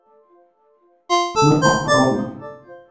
তোমরা কথা বলো।